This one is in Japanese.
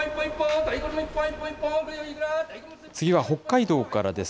次は北海道からです。